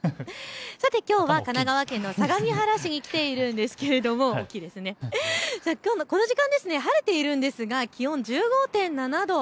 さてきょうは神奈川県の相模原市に来ているんですけれどもこの時間、晴れているんですが気温は１５．７度。